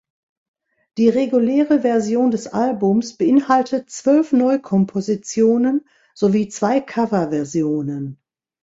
Die reguläre Version des Albums beinhaltet zwölf Neukompositionen sowie zwei Coverversionen.